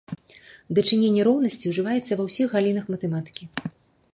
Дачыненне роўнасці ўжываецца ва ўсіх галінах матэматыкі.